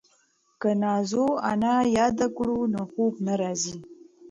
که نازو انا یاده کړو نو خوب نه راځي.